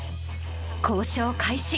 交渉開始。